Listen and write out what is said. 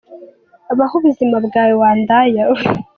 Baho ubuzima bwawe wa ndaya we…”.